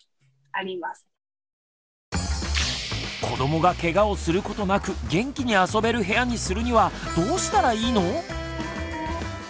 子どもがケガをすることなく元気に遊べる部屋にするにはどうしたらいいの？